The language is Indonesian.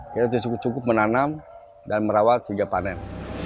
kita sudah cukup cukup menanam dan merawat sehingga panen